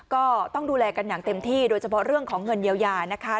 ก็ต้องดูแลกันอย่างเต็มที่โดยเฉพาะเรื่องของเงินเยียวยานะคะ